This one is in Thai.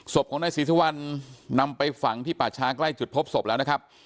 ศพของนายศรีธวันนำไปฝังที่ประชากล้ายจุดพบศพแล้วนะครับ